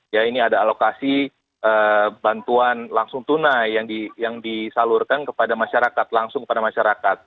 ya ini ada alokasi bantuan langsung tunai yang disalurkan kepada masyarakat langsung kepada masyarakat